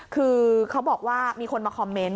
คือเขาบอกว่ามีคนมาคอมเมนต์